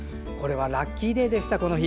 ラッキーデーでした、この日。